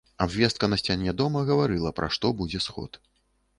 Абвестка на сцяне дома гаварыла, пра што будзе сход.